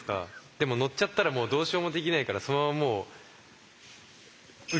でも乗っちゃったらもうどうしようもできないからそのままもう受け入れるじゃないですか。